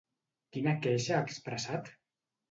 Quina queixa ha expressat?